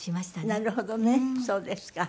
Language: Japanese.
なるほどねそうですか。